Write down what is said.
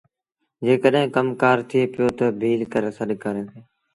جيڪڏهين ڪم ڪآر ٿئي پيٚو تا ڀيٚل ڪري سڏ ڪرسيٚݩ